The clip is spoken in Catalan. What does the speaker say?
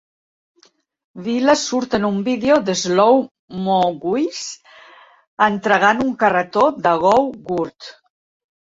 Vila surt en un vídeo d'Slow Mo Guys entregant un carretó de "Go-Gurt".